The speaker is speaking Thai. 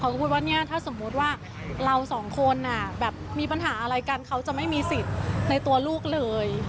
พูดว่าเนี่ยถ้าสมมุติว่าเราสองคนแบบมีปัญหาอะไรกันเขาจะไม่มีสิทธิ์ในตัวลูกเลย